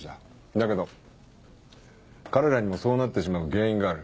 だけど彼らにもそうなってしまう原因がある。